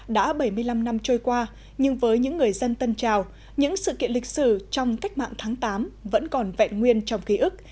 đã bảy mươi năm năm trôi qua nhưng với những người dân tân trào những sự kiện lịch sử trong cách mạng tháng tám vẫn còn vẹn nguyên trong ký ức